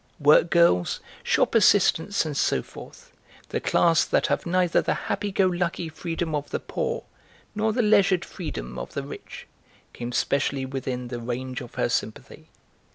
Work girls, shop assistants and so forth, the class that have neither the happy go lucky freedom of the poor nor the leisured freedom of the rich, came specially within the range of her sympathy.